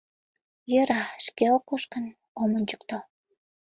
— Йӧра, шке ок уж гын, ом ончыкто...